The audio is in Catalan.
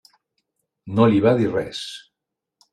No li va dir res.